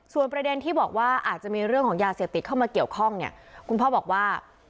ส่วนประเด็นที่บอกว่าอาจจะมีเรื่องของยาเสพติดเข้ามาเกี่ยวข้องเนี่ยคุณพ่อบอกว่า